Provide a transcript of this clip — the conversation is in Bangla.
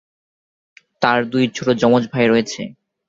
তার দুই ছোট যমজ ভাই রয়েছে।